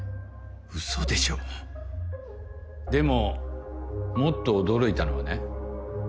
ウソでしょでももっと驚いたのはね。